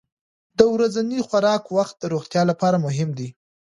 د ورځني خوراک وخت د روغتیا لپاره مهم دی.